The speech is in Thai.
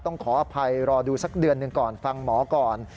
ขออภัยรอดูสักเดือนหนึ่งก่อนฟังหมอก่อน